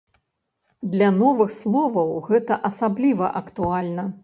Для новых словаў гэта асабліва актуальна.